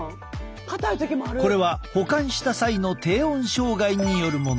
これは保管した際の低温障害によるもの。